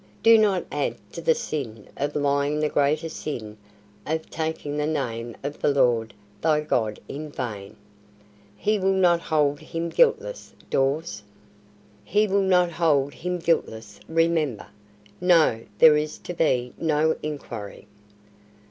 Do not add to the sin of lying the greater sin of taking the name of the Lord thy God in vain. He will not hold him guiltless, Dawes. He will not hold him guiltless, remember. No, there is to be no inquiry."